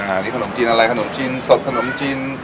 อันนี้ขนมจีนอะไรขนมจีนสดขนมจีน